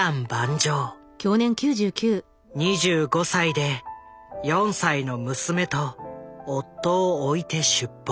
２５歳で４歳の娘と夫を置いて出奔。